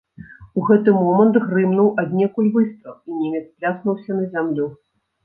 У гэты момант грымнуў аднекуль выстрал, і немец пляснуўся на зямлю.